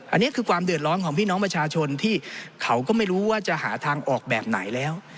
อันนี้คือความเดือดร้อนของพี่น้องประชาชนที่เขาก็ไม่รู้ว่าจะหาทางออกแบบไหนแล้ว